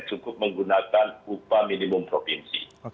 cukup menggunakan upah minimum provinsi